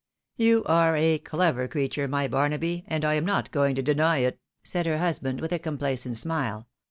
" You are a clever creature, my Barnaby, and I am not going to deny it," said her husband, with a complacent smile.